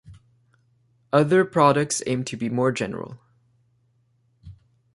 Other products aim to be more general.